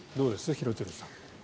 廣津留さん。